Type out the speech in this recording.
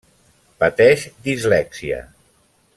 Pateix dislèxia.